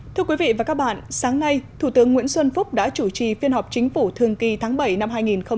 thưa quý vị và các bạn sáng nay thủ tướng nguyễn xuân phúc đã chủ trì phiên họp chính phủ thường kỳ tháng bảy năm hai nghìn một mươi chín